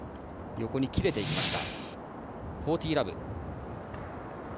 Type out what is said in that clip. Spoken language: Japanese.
横に切れていきました。